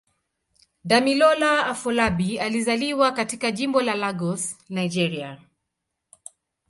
Damilola Afolabi alizaliwa katika Jimbo la Lagos, Nigeria.